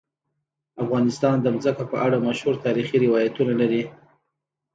افغانستان د ځمکه په اړه مشهور تاریخی روایتونه لري.